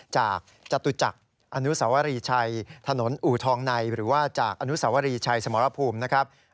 จากจตุจักรอนุสวรีชัยถนนอูทองในหรือว่าจากอนุสาวรีชัยสมรภูมินะครับ